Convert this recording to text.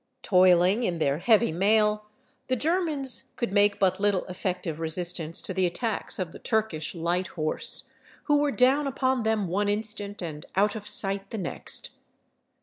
Toiling in their heavy mail, the Germans could make but little effective resistance to the attacks of the Turkish light horse, who were down upon them one instant, and out of sight the next.